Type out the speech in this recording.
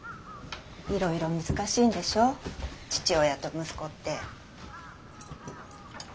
いろいろ難しいんでしょ父親と息子って。